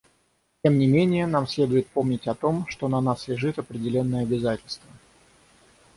Тем не менее, нам следует помнить о том, что на нас лежит определенное обязательство.